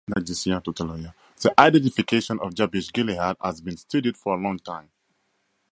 The identification of Jabesh-Gilead has been studied for a long time.